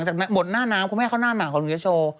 หมดหน้าน้ำคุณแม่เขาหน้าหนาวถึงจะโชว์